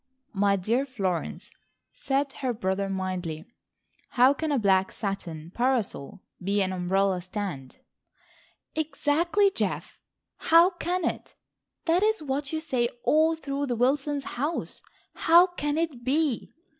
"My dear Florence," said her brother mildly, "how can a black satin parasol be an umbrella stand?" "Exactly, Geof, how can it? That is what you say all through the Wilsons' house. How can it be!